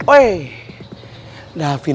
terima kasih el